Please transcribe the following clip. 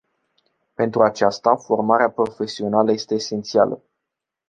Pentru aceasta, formarea profesională este esențială.